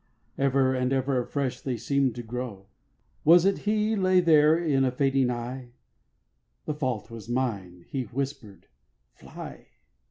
Ever and ever afresh they seem'd to grow. Was it he lay there with a fading eye? 'The fault was mine,' he whisper'd, 'fly!'